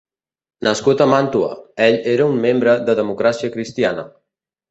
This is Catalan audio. Nascut a Màntua, ell era un membre de Democràcia Cristiana.